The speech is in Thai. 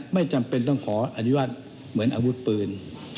ไม่จำเป็นต้องขออนุญาตเหมือนอาวุธปืน